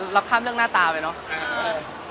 เราข้ามเรื่องหน้าตาไปเนอะ